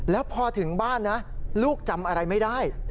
แล้วพอถึงบ้านนะลูกจำอะไรไม่ได้